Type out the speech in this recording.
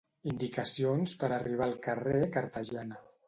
Indicacions per arribar al carrer Cartagena.